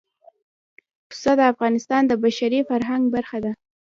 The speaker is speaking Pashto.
پسه د افغانستان د بشري فرهنګ برخه ده.